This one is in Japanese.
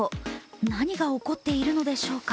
何が起こっているのでしょうか。